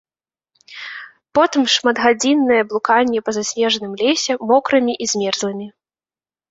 Потым шматгадзіннае блуканне па заснежаным лесе мокрымі і змерзлымі.